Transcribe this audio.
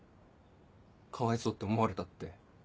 かわいそうって思われたって。